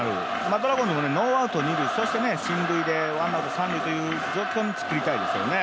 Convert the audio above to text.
ドラゴンズもノーアウト二塁、そして進塁でワンアウト三塁という状況を作りたいですよね。